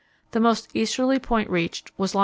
The most easterly point reached was long.